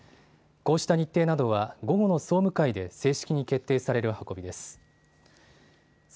こうした日程などは午後の総務会で正式に決定される運びです。